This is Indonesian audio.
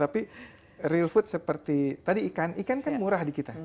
tapi real food seperti tadi ikan ikan kan murah di kita